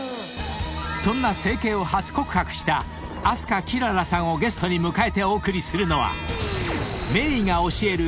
［そんな整形を初告白した明日花キララさんをゲストに迎えてお送りするのは］